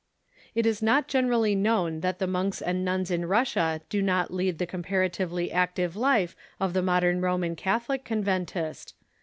It is not generally known that the monks and nuns in Russia do not lead the compara tively active life of the modern Roman Catholic conventist.